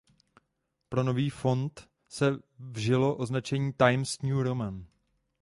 Pro nový font se vžilo označení Times New Roman.